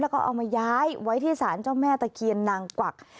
แล้วก็เอามาย้ายไว้ที่สารเจ้าแม่ตะเคียนนางกวัก